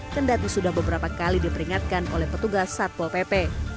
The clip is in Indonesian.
kendati sudah beberapa kali diperingatkan oleh petugas satpol pp